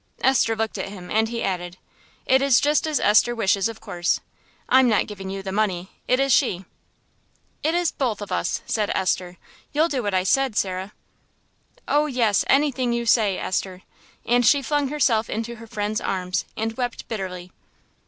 Esther looked at him, and he added, "It is just as Esther wishes, of course; I'm not giving you the money, it is she." "It is both of us," said Esther; "you'll do what I said, Sarah?" "Oh, yes, anything you say, Esther," and she flung herself into her friend's arms and wept bitterly.